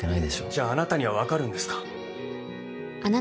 じゃあ、あなたには分かるんですか。